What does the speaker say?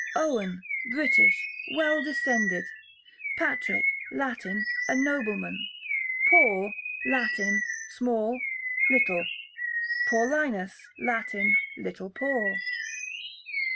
Owen, British, well descended. Patrick, Latin, a nobleman. Paul, Latin, small, little. Paulinus, Latin, little Paul.